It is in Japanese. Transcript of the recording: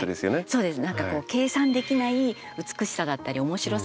そうですね。